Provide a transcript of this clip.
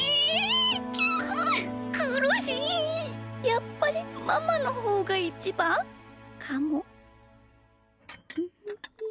やっぱりママのほうがいちばん？かも。